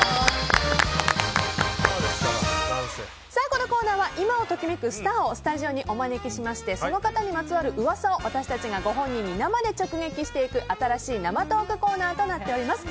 このコーナーは今を時めくスターをスタジオにお招きしましてその方にまつわる噂を私たちがご本人に生で直撃していく新しい生トークコーナ−となっております。